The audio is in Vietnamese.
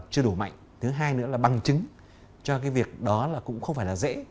chưa đủ mạnh thứ hai nữa là bằng chứng cho cái việc đó là cũng không phải là dễ